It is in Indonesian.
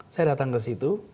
saya datang ke situ